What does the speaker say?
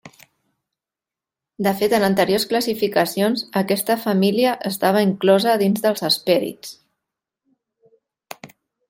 De fet, en anteriors classificacions aquesta família estava inclosa dins dels hespèrids.